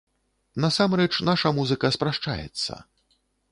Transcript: Насамрэч, наша музыка спрашчаецца.